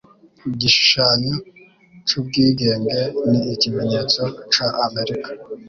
Igishusho c'Ubwigenge ni ikimenyetso ca Amerika.